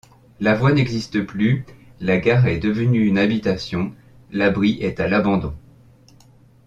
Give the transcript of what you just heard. La voie n'existe plus, la gare est devenue une habitation, l'abri est à l'abandon.